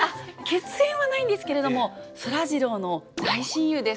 血縁はないんですけれどもそらジローの大親友です。